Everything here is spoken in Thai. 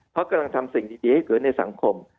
เพราะกำลังทำสิ่งดีให้เกิดในสังคม